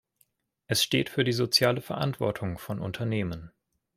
Es steht für die soziale Verantwortung von Unternehmen.